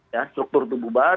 ya struktur itu bubar